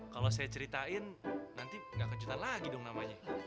kalau saya ceritain nanti nggak kejutan lagi dong namanya